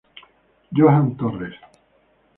Johan torres